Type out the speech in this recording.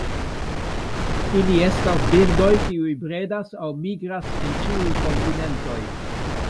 Ili estas birdoj kiuj bredas aŭ migras en ĉiuj kontinentoj.